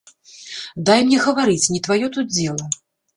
Дай мне гаварыць, не тваё тут дзела!